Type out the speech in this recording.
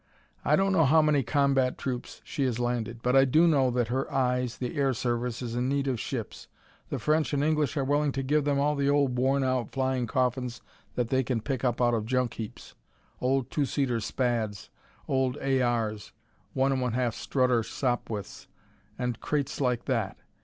I don't know how many combat troops she has landed, but I do know that her eyes, the air service, is in need of ships. The French and English are willing to give them all the old, worn out flying coffins that they can pick up out of junk heaps old two seater Spads, old A.R.'s, 1 1/2 strutter Sopwiths, and crates like that.